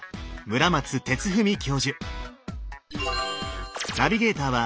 村松哲文教授。